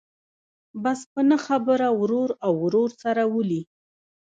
بس په نه خبره ورور او ورور سره ولي.